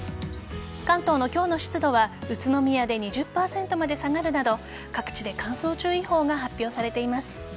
関東の今日の湿度は宇都宮で２０％まで下がるなど各地で乾燥注意報が発表されています。